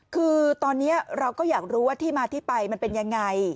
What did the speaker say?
คือตอนนี้เราก็อยากรู้ว่าที่มาที่ไปมันเป็นยังไง